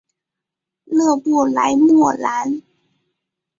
勒布莱莫兰。